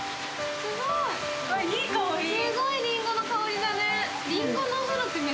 すごいりんごの香りだね。